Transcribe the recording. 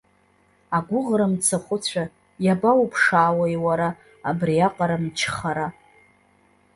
Агәыӷра мцахәыцәа, иабауԥшаауеи уара, абриаҟара мчхара?